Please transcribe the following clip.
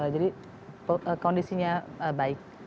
jadi kondisinya baik